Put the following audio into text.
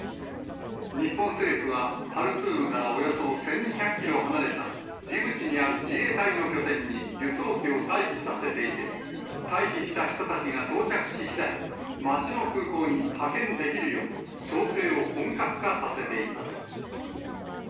日本政府は、ハルツームからおよそ１２００キロ離れた、ジブチにある自衛隊の拠点に輸送機を待機させていて、退避した人たちが到着ししだい、町の空港に派遣できるよう、調整を本格化させています。